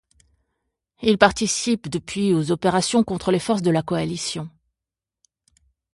Il participe depuis aux opérations contre les forces de la Coalition.